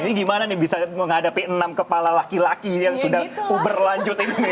ini gimana nih bisa menghadapi enam kepala laki laki yang sudah berlanjut ini